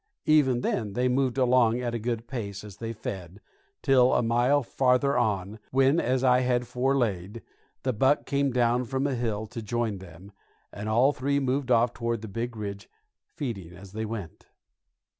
Even then they moved along at a good pace as they fed, till a mile farther on, when, as I had forelayed, the buck came down from a hill to join them, and all three moved off toward the big ridge, feeding as they went.